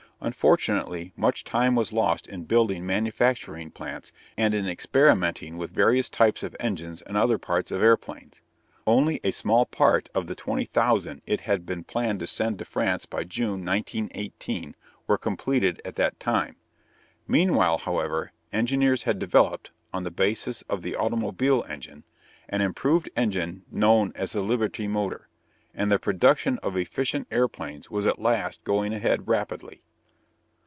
Unfortunately much time was lost in building manufacturing plants and in experimenting with various types of engines and other parts of airplanes. Only a small part of the twenty thousand it had been planned to send to France by June, 1918, were completed at that time. Meanwhile, however, engineers had developed, on the basis of the automobile engine, an improved engine known as the Liberty Motor, and the production of efficient airplanes was at last going ahead rapidly.